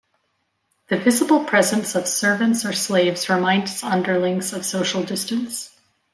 The visible presence of servants or slaves reminds underlings of social distance.